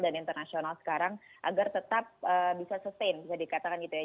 dan internasional sekarang agar tetap bisa sustain bisa dikatakan gitu ya